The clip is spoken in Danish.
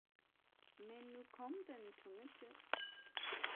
Men nu kom den tunge tid